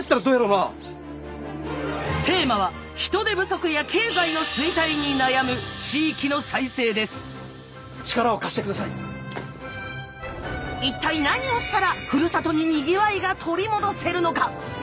テーマは人手不足や経済の衰退に悩む一体何をしたらふるさとににぎわいが取り戻せるのか？